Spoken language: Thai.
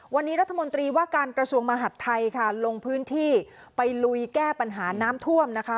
วันนี้รัฐมนตรีว่าการกระทรวงมหัฐไทยค่ะลงพื้นที่ไปลุยแก้ปัญหาน้ำท่วมนะคะ